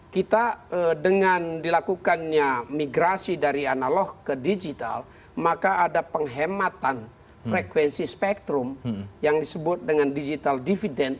kita dengan dilakukannya migrasi dari analog ke digital maka ada penghematan frekuensi spektrum yang disebut dengan digital dividend